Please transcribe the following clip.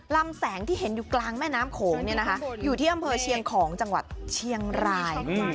ลำแสงที่เห็นอยู่กลางแม่น้ำโขงอยู่ที่อำเภอเชียงของจังหวัดเชียงราย